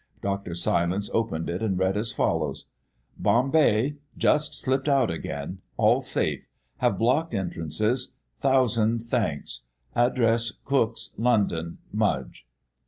Dr. Silence opened it, and read as follows: "Bombay. Just slipped out again. All safe. Have blocked entrances. Thousand thanks. Address Cooks, London. MUDGE."